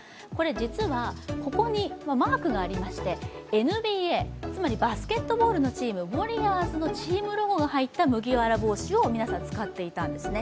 実はここにマークがありまして、ＮＢＡ、つまりバスケットボールのチーム、ウォリアーズのチームロゴが入った麦わら帽子を皆さん使っていたんですね。